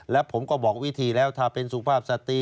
แล้วผมก็บอกวิธีแล้วถ้าเป็นสุภาพสตรี